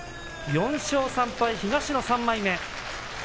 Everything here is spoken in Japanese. ４勝３敗、東の３枚目。